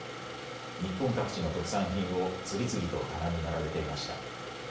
日本各地の特産品を次々と棚に並べていました。